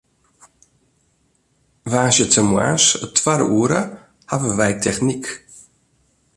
Woansdeitemoarns it twadde oere hawwe wy technyk.